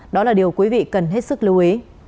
đó là điều quý vị cần hết sức lưu ý